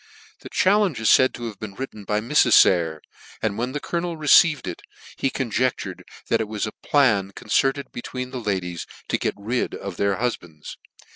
The challenge is faid to have been written by Mrs. Sayer, and when the colonel received it, he conjectured that it was a plan concerted between the ladies to gtc rid of their hufbands.